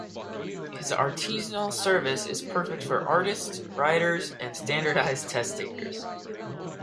His artisanal service is perfect for artists, writers, and standardized test takers.